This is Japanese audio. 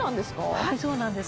はいそうなんです